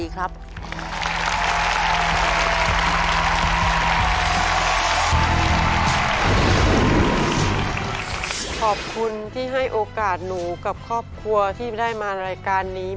ขอบคุณที่ให้โอกาสหนูกับครอบครัวที่ได้มารายการนี้